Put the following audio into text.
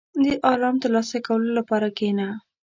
• د آرام ترلاسه کولو لپاره کښېنه.